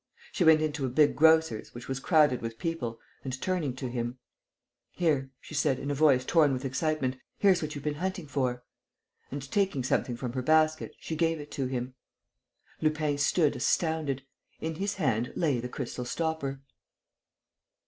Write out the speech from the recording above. She went into a big grocer's, which was crowded with people, and, turning to him: "Here," she said, in a voice torn with excitement. "Here's what you've been hunting for." And, taking something from her basket, she gave it to him. Lupin stood astounded: in his hand lay the crystal stopper.